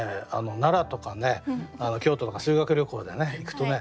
奈良とか京都とか修学旅行で行くとね